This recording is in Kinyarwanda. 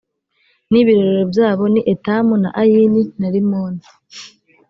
n ibirorero byabo ni etamu na ayini na rimoni